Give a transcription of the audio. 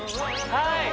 はい！